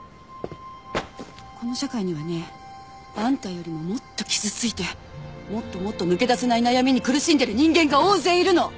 この社会にはねあんたよりももっと傷ついてもっともっと抜け出せない悩みに苦しんでる人間が大勢いるの！